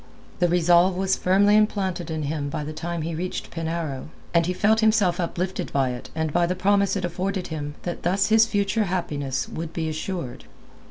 The resolve was firmly implanted in him by the time he reached Penarrow, and he felt himself uplifted by it and by the promise it afforded him that thus his future happiness would be assured.